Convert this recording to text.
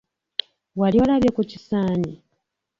Wali olabye ku kisaanyi?